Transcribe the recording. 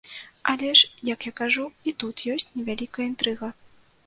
Але ж, як я кажу, і тут ёсць невялікая інтрыга.